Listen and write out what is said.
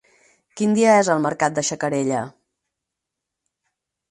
Quin dia és el mercat de Xacarella?